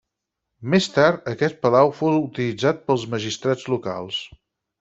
Més tard aquest palau fou utilitzat pels magistrats locals.